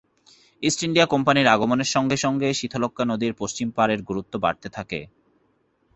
East India কোম্পানির আগমনের সঙ্গে সঙ্গে শীতলক্ষ্যা নদীর পশ্চিম পাড়ের গুরুত্ব বাড়তে থাকে।